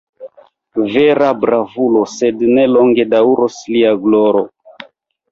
Vera bravulo, sed ne longe daŭros lia gloro!